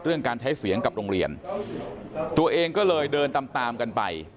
การใช้เสียงกับโรงเรียนตัวเองก็เลยเดินตามตามกันไป